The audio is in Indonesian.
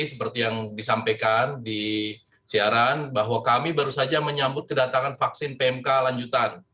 seperti yang disampaikan di siaran bahwa kami baru saja menyambut kedatangan vaksin pmk lanjutan